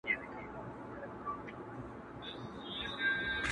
سړي وځي له حسابه په نړۍ کي،